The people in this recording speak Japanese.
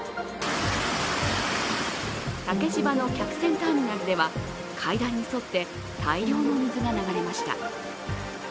竹芝の客船ターミナルでは、階段に沿って大量の水が流れました。